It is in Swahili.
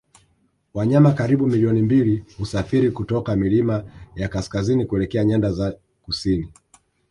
Wanyama karibu milioni mbili husafiri kutoka milima ya kaskazini kuelekea nyanda za kusini